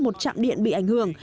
một trạm điện bị ảnh hưởng